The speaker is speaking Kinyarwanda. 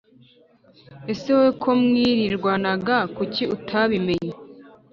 Ese wowe ko mwirirwanaga kuki utabimenye